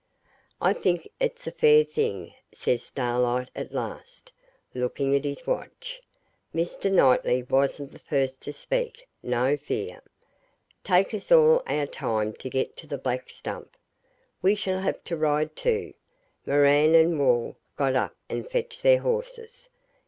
'I think it's a fair thing,' says Starlight at last, looking at his watch. Mr. Knightley wasn't the first to speak, no fear. 'Take us all our time to get to the Black Stump. We shall have to ride, too.' Moran and Wall got up and fetched their horses.